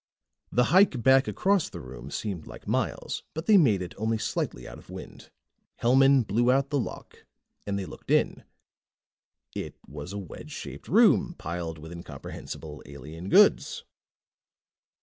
The hike back across the room seemed like miles, but they made it only slightly out of wind. Hellman blew out the lock and they looked in. It was a wedge shaped room, piled with incomprehensible alien goods.